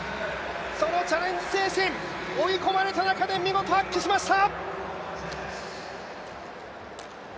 そのチャレンジ精神追い込まれた中で見事発揮しました。